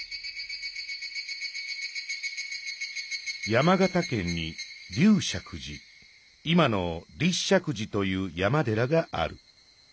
「山形県に立石寺今の立石寺という山寺がある。